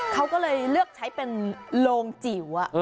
เขาก็เลยเลือกใช้เป็นโรงจิ๋ว